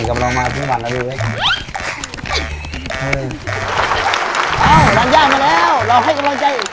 เอ้าลันยามาแล้วลองให้กำลังใจ